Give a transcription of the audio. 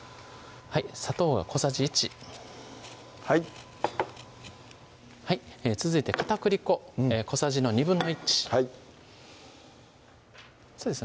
砂糖が小さじ１はい続いて片栗粉小さじの１／２はいそうですね